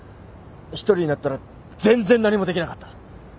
一人になったら全然何もできなかった。